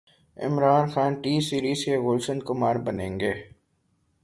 عامر خان ٹی سیریز کے گلشن کمار بنیں گے